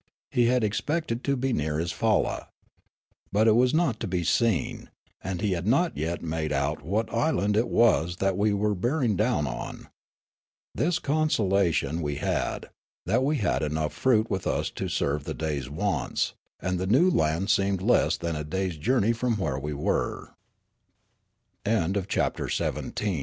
He had expected to be near his falla. But it was not to be seen ; and he had not yet made out what island it was that we were bearing down on. This consolation we had, that we had enough fruit with us to serve the day's wants, and the new land seemed less than a day's journey from